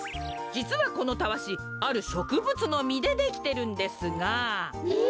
じつはこのタワシあるしょくぶつのみでできてるんですが。